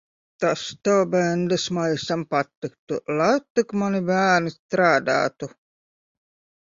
Tas tev, bendesmaisam, patiktu. Lai tik mani bērni strādātu.